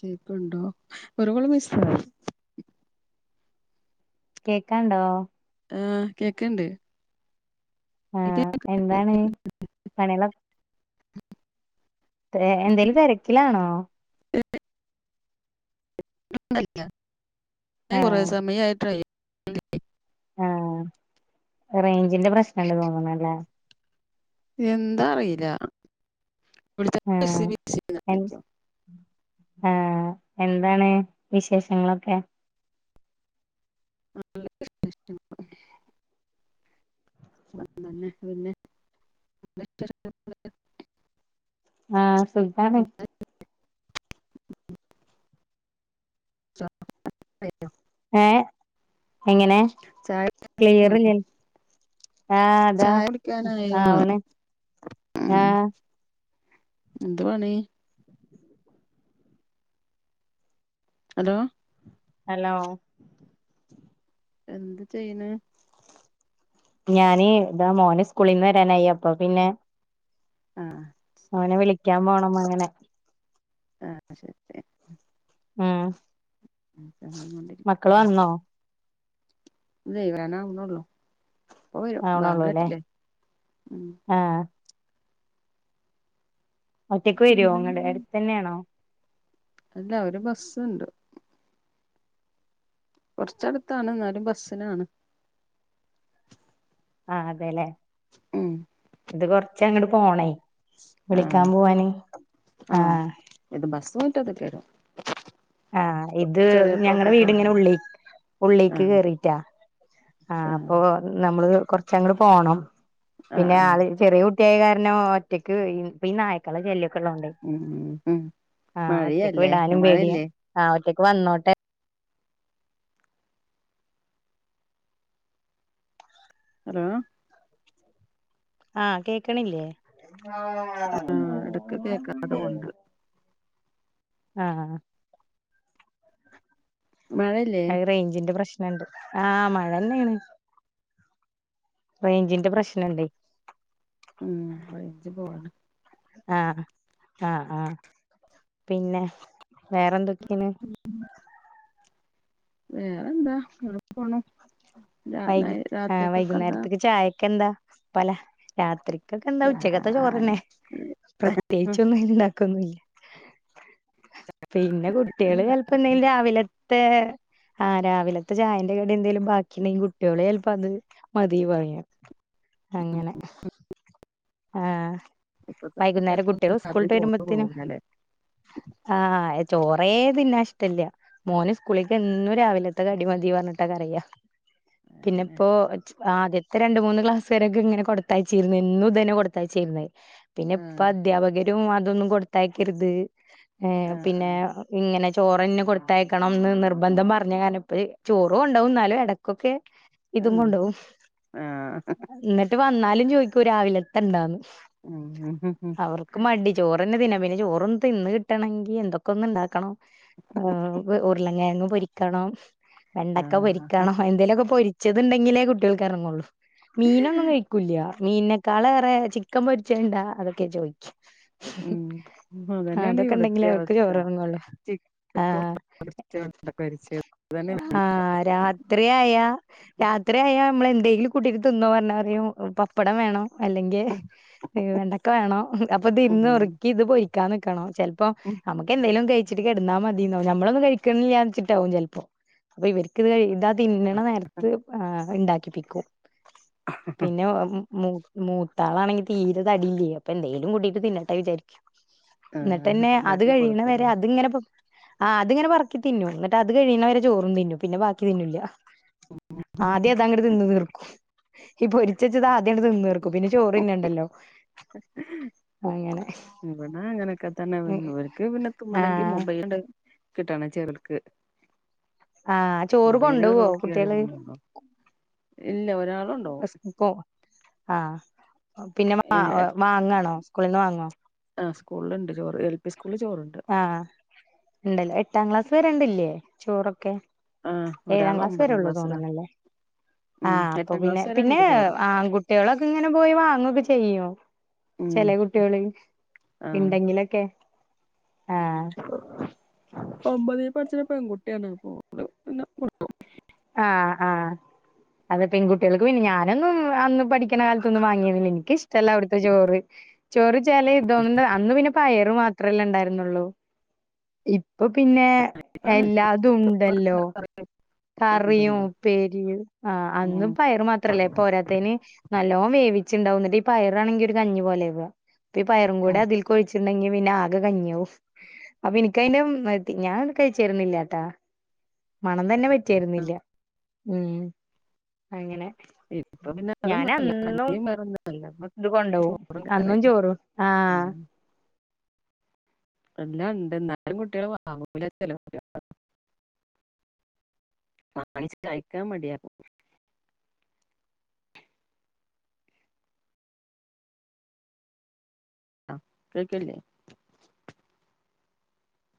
കേക്ണ്ടോഒര്കൊള്മിസ്സായി കേക്കാണ്ടോ ആഹ് കേക്ണ്ട് ആഹ്എന്താണ് പണിയാളൊക്കെ ഏഹ് എന്തേലും തെരക്കിലാണോ [unintelligible] ആഹ് കൊറേസമയായിട്ടേയ് ആഹ് റേയ്ഞ്ചിന്റെപ്രശ്നണ്ട് തോന്ണ്ല്ലേ എന്താറീല വിളിച്ച ബ് സി ആഹ് ബി സി ന്ന ആഹ് എന്താണ് വിശേഷങ്ങളൊക്കെ [unintelligible] അഹ് തന്നെ പിന്നെ [unintelligible] ആഹ് സുഖാണ് [unintelligible] ഏഹ് എങ്ങനെ ചായ ക്ലിയറ് ആഹ് അതാ ചായ കുടിക്കാനായോ ആഹ് അവണ് ആഹ് എന്തുവാണ ഹലോ ഹലോ എന്ത് ചെയ്യണ ഞാന് ഇതാ മോന സ്കൂളിൽ നിന്ന് വരാനായി അപ്പൊ പിന്നെ ആഹ് അവനെ വിളിക്കാൻ പോണം അങ്ങനെ ആഹ് ശരി ഉമ് മ്മളും കൊണ്ടിരിക്കല്ല ഇദേ വേണ ഒന്നോ ഉള്ളും ആണള്ളൂ ല്ലേ ഉം ആഹ് ഒറ്റക്ക് വെരോ ഇങ്ങട് എട്ത്തന്നെണോ അല്ല ഒര് ബസ്സുണ്ട് കുറച്ചടുത്താണ് എന്നാലും ബസ്സിനാണ് ആഹ് അതെല്ലേ ഉമ് ഇത് കൊറച്ച അങ്ങോട്ട് പോണേ വിളിക്കാൻ ആഹ് പോവാന് ആഹ് ഇത് ബസ് പോയിട്ട് അത്ട്ട വരും ആഹ് ഇത് ചെറിയ ഞങ്ങള പോക്കറ്റ് വീടിങ്ങനെ റോഡാണ് ഉള്ളേ ഉള്ളിക്ക് ആഹ് കേറിട്ടാ ആഹ് അപ്പൊ നമ്മള് കൊറച്ച അങ്ങ പോണം ആഹ് പിന്നെ ആഹ് ആള് ചെറിയ കുട്ടിയായ കാരണം ഒറ്റക്ക് പിന്നെ നായി ക്കള ചെല്ലിക്കള്ളോണ്ട് ഉം ഉം ഉം ആഹ് ഒറ്റക്ക് മഴയല്ലേ വിടാനും പേടിയാ മഴയല്ലേ ആഹ് ഒറ്റൊക്ക് വന്നോട്ടെ ഹലോ ആഹ് കേക്കണില്ലേ ആഹ് ഇടക്ക് കേക്കാതു കൊണ്ട് ആഹ് മഴെ അത് റേഞ്ചിന്റെ പ്രശ്നണ്ട് ആഹ് മഴ ന്നെയാണ് റേഞ്ചിന്റെ പ്രശ്നം ണ്ട് ഉമ് റെയ്ഞ്ച പോണ് ആഹ് ആഹ് ആഹ് പിന്നെ വേറെന്തൊക്കെയാണ് വേറെ എന്താ ങ്ങനെ പോണം വൈ ആഹ് വൈകുന്നേരത്തേക്ക് ചായക്കെ എന്താ പല രാത്രി ക്കെ എന്താ ഉച്ചക്കത്തെ ചോറന്നെ പ്രത്യേകിച്ചൊന്നും ഇണ്ടാക്കൊന്നല്ല പിന്നെ കുട്ടികള് ചിലപ്പോ എന്തെങ്കിലും രാവിലത്തെ ആഹ് രാവിലത്തെ ചായന്റെ കടി എന്തേലും ബാക്കി ഉണ്ടെങ്കിൽ കുട്ട്യാളെ ചിലപ്പം അത് മതി പറു അങ്ങനെ ആഹ് ഇപ്പത്തെ വൈകുന്നേര കുട്ടികൾക്കൊന്നും കുട്ടികോ സ്കൂൾ രാത്രി ട്ട് ചോറ് വരുമ്പോത്തേനും പോവൂലല്ലേ ആഹ് ചോറേ തിന്നെ ഇഷ്ടല്ല മോന സ്കൂളിലക്ക് എന്നും രാവിലത്തെ അടി മതി പറഞ്ഞിട്ടൊക്കെ അറിയ പിന്നെ അതെന്നെ ഇപ്പോ ആദ്യത്തെ രണ്ട മൂന്ന് ക്ലാസ് വരെക്കെ ഇങ്ങനെ കൊടുത്തയച്ചിരുന്നു എന്നും ഇതന്നെ കൊട്ത്തയാച്ചിര്ന്നെ പിന്നെ ഇപ്പ ആഹ് അധ്യാപകരും അതൊന്നും കൊട്ത്തയക്കര്ത് ഏഹ് ആഹ് പിന്നെ ഇങ്ങനെ ചോറന്നെ കൊട്ത്തയക്കണംന്ന് നിർബന്ധം പറഞ്ഞ കാരം ഇപ്പ ചോറോ ഉണ്ടാവും എന്നാലൊ ഇടക്കൊക്കെ ഇതും ആഹ് കൊണ്ടോവും ആഹ് ആഹ് ഇന്നിട്ട് വന്നാലും ചോയ്ക്കൂ രാവിലത്ത ഇണ്ടാന്ന് ഉം ഉം ഉം അവർക്ക് മടി ചോറ്ന്നെ തിന്നാ പിന്നെ ചോറന്ന് തിന്ന് കിട്ടണങ്കി എന്തൊക്കെ ഒന്ന് ഇണ്ടാക്കണം ആഹ് ഉർള കെങ്ങ് പൊരിക്കണം വെണ്ടക്ക ആഹ് പൊരിക്കണം എന്തേലു ക്കെ പൊരി ച്ചതുണ്ടങ്കി ലെ കുട്ടിൾക്ക് എറങ്ങുള്ളൂ മീനൊന്നും കഴിക്കൂല്യ മീനെ കാള് എ ഹേ ച്ചിക്ക പൊരിച്ച ഉണ്ടാ അതൊക്കെ ചോക്യാ ഉമ് അതന്നെണ് ഇവിടത്തെ അവർക്ക് അവസ്ഥ ചോറെറങ്ങുള്ളൂ ആഹ് [unintelligible] രാത്രി ആയ രാത്രിയ നമ്മള് എന്തെങ്കിലും കൂട്ടീട്ട് തിന്നോന്ന് പറഞ്ഞ പറയും പപ്പടം വേണം അല്ലെങ്കിവെണ്ടക്ക വേണോ അപ്പൊ തിരുന്ന് ഉറക്കി ഇത് പോരി കയ് നിക ണോ ചില് യപ്പോ നമുക്ക എന്തേലും കയ് ച്ട് കിടാന്ന മതിന്ന നമ്മളൊന്നും കഴിക്ക്ണ്ല്ല ന്ന ച്ചി ട്ടാവും ചിൽ പ്പോ അപ്പൊ ഇവര്ക് ഇത് തിന്ന്ണ നേരത്ത് ഉണ്ടാക്കിപ്പിക്കും പിന്നെമു മൂത്താളാണെങ്കി തീരതടില്ലേ അപ്പൊ എന്തേലും കൂട്ടീട്ട് തിന്നട്ടെ വിചാരിക്കും ആഹ് ന്നിട്ട്ന്നെ അത് ഉണ്ടാക്കി കഴിയണ വരെ കൊടുക്കുംല്ലേ അത് ങ്ങനെ ആ അത്ങ്ങനെ പറക്കി ത്തിന്നും ന്നിട്ടത് കഴ്ണ വരെ ചോറും തിന്നും പിന്നെ ബാക്കി തിന്ന് ല ആദ്യം അത അങ്ങട്ട് തിന്ന്ു തീർക്കും ഈ പൊരിച്ചെച്ചത് ആദ്യം ആണ് തിന്ന തീർക്കും ക്ക്പിന്നെ ചോറിന്നണ്ടല്ലോ അങ്ങനെ ഇവടെ അങ്ങനെക്കതന്നെ ഇവർക്ക് പിന്നെ ആ തിന്നണെങ്കി മൊബൈല കിട്ടണ ചെറെൽക്ക് ആ ചോറ് മൊബൈല കൊണ്ടോവോ നോക്കിയലെ കുട്ടികള് ഇല്ല ഒരാളുണ്ടാവും ആഹ് പിന്നെ വ വാങ്ങാണോ സ്ക്ക്ളിന്ന് വാങ്ങോ ആഹ് സ്കൂൾണ്ട് ചോറ് എൽ പി സ്കൂൾല് ചോറ്ണ്ട് ആഹ ഇണ്ട് ലെ എട്ടാം ക്ലാസ് വരെട്ല്ലേ ചോറൊക്കെ ആഹ് ഏഴ ഒരാൾ ക്ലാസ് ഒമ്പതാം വരെള്ളു തോന്ന് ക്ലാസ്സിലാ ണല്ലേ ആ ഉം അപ്പൊ എട്ടാം പിന്നെ ക്ലാസ് വരെ പിന്നെ ഉണ്ട് ചോറ് ആൺകുട്ടിളൊക്കെ ഇങ്ങനെ പോയി വാങ്ങൊക്കെ ചെയ്യും ഉം ചെലെ കുട്ടിള് ആഹ് ഇണ്ട്ങ്കിലൊക്കെ ആഹ ഒമ്പതി പഠിച്ച പെൺകുട്ടിണ് അ പ്പോ ആഹ ആഹ അത പെൺകുട്ടികൾക്ക് പിന്നെ അതെ അതെപെൺകുട്ടിൾക്ക്പിന്നെ ഞാന് അതെ പെൺ കുട്ടികൾ ക്ക് പിന്നെ അതെ പെൺകുട്ടികൾ ക്ക് ഞാന് നൊന്നുംഅന്ന് പഠിക്കണ കാലത്തൊന്നും വാങ്ങിന്നില്ല എനിക്ക്ഇഷ്ടം അവിടുത്തെ ചോറ് ചോറിചാലേ ഇതൊനണ്ട് അന്ന് പിന്നെ പയറ് മാത്രല്ലെ ഉണ്ടാരുന്നുള്ളൂ ഇപ്പ പിന്നെ എല്ലാതുഇ ണ്ടല്ലോ കറിയും ഉണ്ടല്ലോ ഉപ്പേരിയും ആ അന്ന് ഉം പയറ് മാത്രല്ലേ പോരാ ത്തേന് നല്ലോവേവിച്ചണ്ടാവുന്നിട്ട്ഈ പയറാണ ങ്കി ഒരു കഞ്ഞി പോലെ വ പ്പ ഈ പയറും കൂടെഅതിൽ കൊഴ്ച്ചിണ്ടെങ്കി പിന്നെ ആകെ കഞ്ഞിയവും അപ്പൊ എനിക്ക ന്റെ മതി ഞാൻ കഴിച്ചിരുന്നില്ലാട്ടാ മണം തന്നെ പറ്റിര് ന്നില്ല ഉം അങ്ങനെ ഇപ്പൊ പിന്നെ ഞാന അന്നും അധികം വേറൊന്നും അല്ല ഇപ്പൊ ഇത് കൊണ്ടോവും ചോറും കറിയും അന്നും ചോറും ആഹ ഉം എല്ലാണ്ട് ന്നാലും കുട്ടിള് വാങ്ങൂല ചെ ലോ ല് ന്നാണിച്ച്കഴിക്കാ മടിയാക്കും ആ കേക്കണ്‌ല്യ